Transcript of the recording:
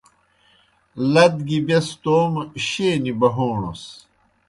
لد گیْ بیْس تومہ شینیْ بُہَوݨَس۔